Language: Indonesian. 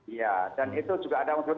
iya dan itu juga ada untuk ijazah